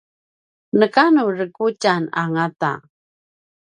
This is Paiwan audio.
nekanu rekutjan angata